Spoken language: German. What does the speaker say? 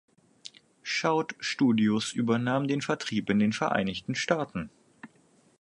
Shout Studios übernahm den Vertrieb in den Vereinigten Staaten.